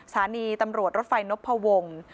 สถานีตำรวจรถไฟนพวง